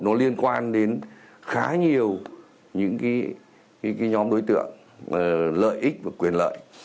nó liên quan đến khá nhiều những cái nhóm đối tượng lợi ích và quyền lợi